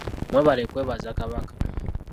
Mwebale kwebaza Kabaka.